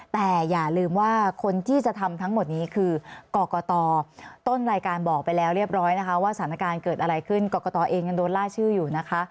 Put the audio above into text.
แต่อย่าลืมว่าคนที่จะทำทั้งหมดนี้คือกรกตต้นรายการบอกไปแล้วเรียบร้อยนะคะว่าสถานการณ์เกิดอะไรขึ้นกรกตเองยังโดนล่าชื่ออยู่นะคะ